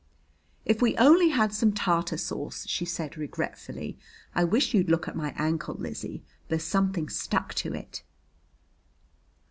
"If we only had some Tartare sauce!" she said regretfully. "I wish you'd look at my ankle, Lizzie. There's something stuck to it."